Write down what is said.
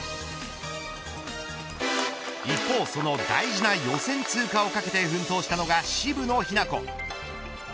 一方その大事な予選通過をかけて奮闘したのが渋野日向子。